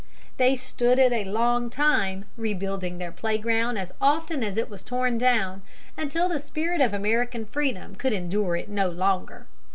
They stood it a long time, rebuilding their playground as often as it was torn down, until the spirit of American freedom could endure it no longer.